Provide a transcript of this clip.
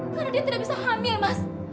karena dia tidak bisa hamil mas